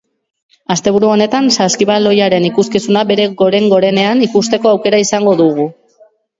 Asteburu honetan saskibaloiaren ikuskizuna bere goren-gorenean ikusteko aukera izango dugu.